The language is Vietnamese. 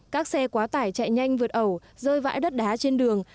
các xe quá tải chạy nhanh vượt ẩu rơi vãi đất đá trên đường